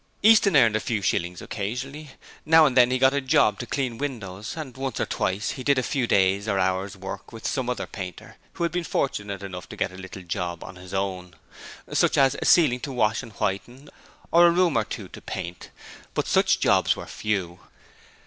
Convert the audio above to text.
Easton earned a few shillings occasionally; now and then he got a job to clean windows, and once or twice he did a few days' or hours' work with some other painter who had been fortunate enough to get a little job 'on his own' such as a ceiling to wash and whiten, or a room or two to paint; but such jobs were few.